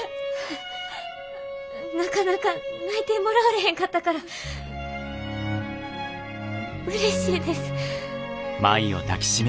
なかなか内定もらわれへんかったからうれしいです。